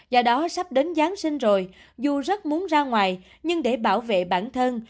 do đó sắp đến giáng sinh rồi dù rất muốn ra ngoài nhưng để bảo vệ bản thân